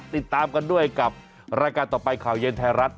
ติดตามกันด้วยกับรายการต่อไปข่าวเย็นไทยรัฐ